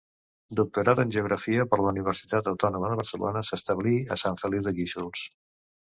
Doctorat en geografia per la Universitat Autònoma de Barcelona, s'establí a Sant Feliu de Guíxols.